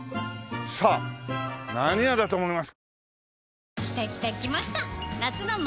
さあ何屋だと思います？